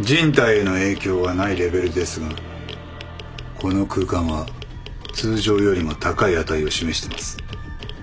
人体への影響はないレベルですがこの空間は通常よりも高い値を示してます。